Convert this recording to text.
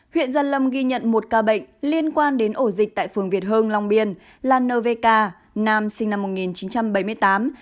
huyện gia lâm ghi nhận một ca bệnh liên quan đến ổ dịch tại phường việt hương long biên là nvk nam sinh năm một nghìn chín trăm bảy mươi tám